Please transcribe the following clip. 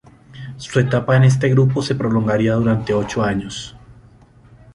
Su etapa en este grupo se prolongaría durante ocho años.